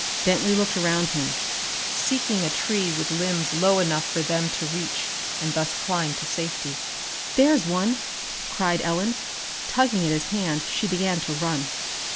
Bentley looked around him, seeking a tree with limbs low enough for them to reach and thus climb to safety. "There's one!" cried Ellen. Tugging at his hand she began to run.